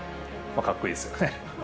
かっこいいですよね。